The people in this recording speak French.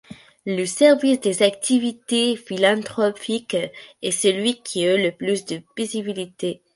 Le service des activités philanthropiques est celui qui eut le plus de visibilité.